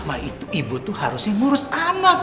mama itu ibu tuh harusnya ngurus anak